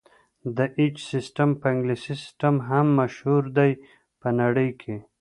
د ایچ سیسټم په انګلیسي سیسټم هم مشهور دی په نړۍ کې.